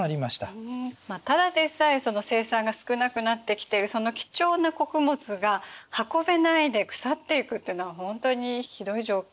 ただでさえ生産が少なくなってきてるその貴重な穀物が運べないで腐っていくというのは本当にひどい状況ですね。